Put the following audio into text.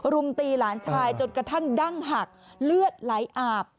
รุมตีหลานชายจนกระทั่งดั้งหักเลือดไหลอาบ